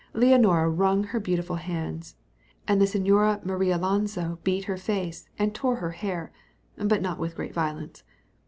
Leonora wrung her beautiful hands; and the Señora Marialonso beat her face, and tore her hair, but not with great violence.